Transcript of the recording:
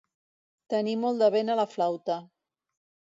Tenir molt de vent a la flauta.